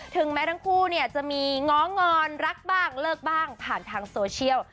แม้ทั้งคู่เนี่ยจะมีง้องอนรักบ้างเลิกบ้างผ่านทางโซเชียล